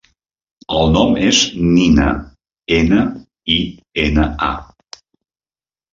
El nom és Nina: ena, i, ena, a.